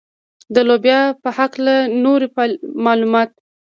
د لوبیا په هکله نور معلومات.